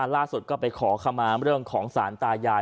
ล่าสุดก็ไปขอคำมาเรื่องของสารตายาย